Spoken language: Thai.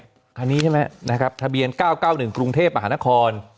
คันนี้ใช่ไหมนะครับทะเบียน๙๙๑กรุงเทพมหานคร